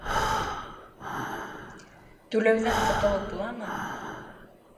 Түләүҙән ҡотолоп буламы?